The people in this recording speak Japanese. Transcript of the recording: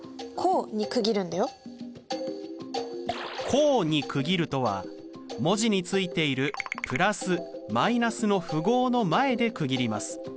「項に区切る」とは文字についているプラスマイナスの符号の前で区切ります。